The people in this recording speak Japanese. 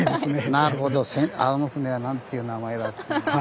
「なるほどあの船は何ていう名前だ」って。